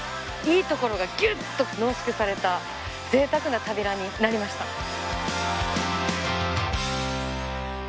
いいところがぎゅっと濃縮されたぜいたくな「旅ラン」になりました。